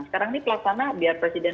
sekarang ini pelaksana biar presiden